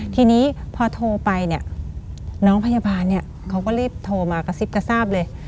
ทีนี้พอโทรไปเนี่ยน้องพยาบาลเนี่ยเขาก็รีบโทรมากระซิบกระซาบเลย